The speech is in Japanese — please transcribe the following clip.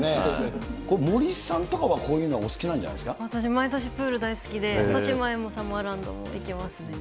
これ、森さんとかはこういう私、毎年プール大好きで、としまえんもサマーランドも行きますね。